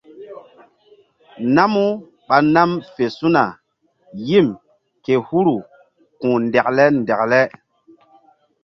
Namu ɓa nam fe su̧na yim ke huru ku̧h ndekle ndekle.